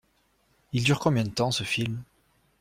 Il dure combien de temps ce film?